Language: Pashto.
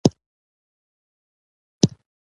دا خوراک ده.